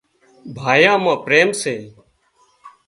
ڀائيان مان پريم سي